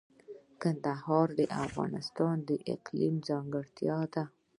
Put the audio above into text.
کندهار د افغانستان د اقلیم ځانګړتیا ده.